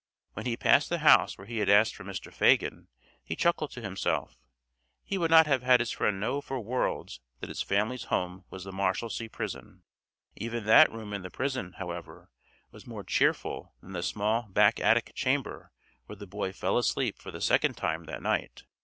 When he passed the house where he had asked for Mr. Fagin he chuckled to himself; he would not have had his friend know for worlds that his family's home was the Marshalsea Prison. Even that room in the prison, however, was more cheerful than the small back attic chamber where the boy fell asleep for the second time that night.